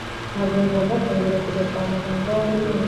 ntabwo ngomba kongera kujya kwa muganga wamenyo